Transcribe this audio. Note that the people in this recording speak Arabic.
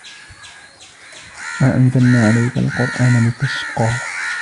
مَا أَنْزَلْنَا عَلَيْكَ الْقُرْآنَ لِتَشْقَى